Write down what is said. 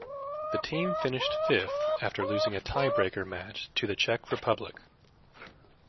The team finished fifth after losing a tie-breaker match to the Czech Republic.